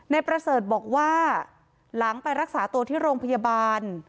ประเสริฐบอกว่าหลังไปรักษาตัวที่โรงพยาบาล